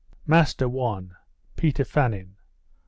Master (1) Peter Fannin.